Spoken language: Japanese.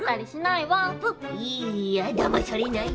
いいやだまされない。